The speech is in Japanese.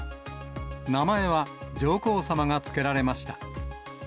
名前は、上皇さまが付けられました。